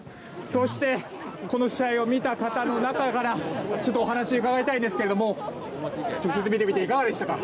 そしてこの試合を見た方の中からお話を伺いたいんですが直接見てみていかがでしたか？